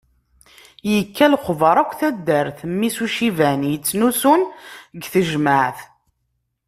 Yekka lexbar akk taddart, mmi-s n uciban yettnusun deg tejmeɛt.